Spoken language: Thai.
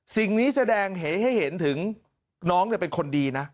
สิ่งนี้แสดงเหตุให้เห็นถึงน้องเป็นคนดีนะ